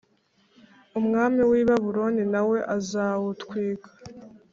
umwami w i Babuloni na we azawutwika